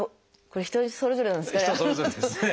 人それぞれなんですかね。